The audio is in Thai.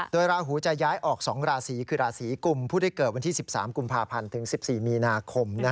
โดยราหูจะย้ายออก๒ราศีคือราศีกลุ่มผู้ได้เกิดวันที่๑๓กุมภาพันธ์ถึง๑๔มีนาคม